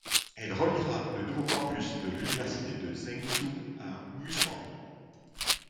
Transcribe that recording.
Elle reliera le nouveau campus de l'université de Zhengzhou à Muzhuang.